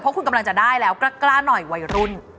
เพราะคุณกำลังจะได้แล้วกล้าหน่อยวัยรุ่น